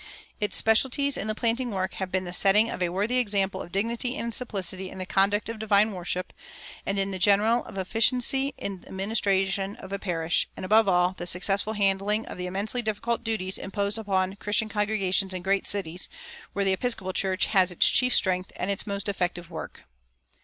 Its specialties in the planting work have been the setting of a worthy example of dignity and simplicity in the conduct of divine worship, and in general of efficiency in the administration of a parish, and, above all, the successful handling of the immensely difficult duties imposed upon Christian congregations in great cities, where the Episcopal Church has its chief strength and its most effective work.